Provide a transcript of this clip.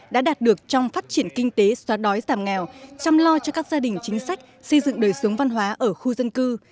đã đạt được trong phát triển kinh tế xóa đói giảm nghèo chăm lo cho các gia đình chính sách xây dựng đời sống văn hóa ở khu dân cư